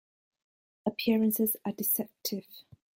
Appearances are deceptive.